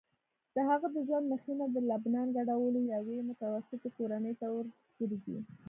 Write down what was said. د هغه د ژوند مخینه د لبنان کډوالو یوې متوسطې کورنۍ ته ورګرځي.